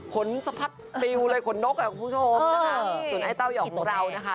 สะพัดปลิวเลยขนนกอ่ะคุณผู้ชมส่วนไอ้เต้ายองของเรานะคะ